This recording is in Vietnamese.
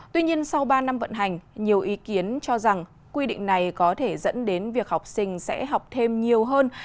tuy nhiên sau ba năm vận hành nhiều ý kiến cho rằng quy định này có thể dẫn đến việc học sinh sẽ học thêm nhiều hơn